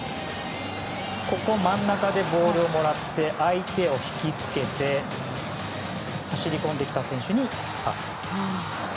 ここ真ん中でボールをもらって相手を引き付けて走り込んできた選手にパス。